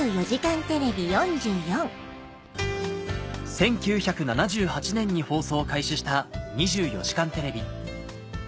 １９７８年に放送を開始した『２４時間テレビ』